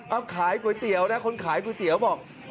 เอาขายก๋วยเตี๋ยวนะคนขายก๋วยเตี๋ยวบอก